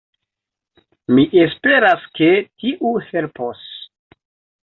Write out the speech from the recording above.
Mi esperas ke tiu helpos.